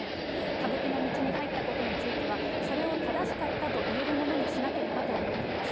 歌舞伎の道に入ったことについては、それを正しかったと言えるものにしなければと思っています。